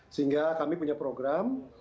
sehingga kami punya program